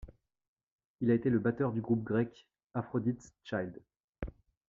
Il a été le batteur du groupe grec, Aphrodite's Child.